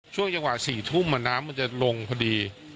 ช่วงจังหวะ๔ทุ่มน้ำมันจะลงพอดี